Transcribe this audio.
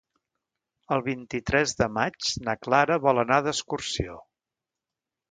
El vint-i-tres de maig na Clara vol anar d'excursió.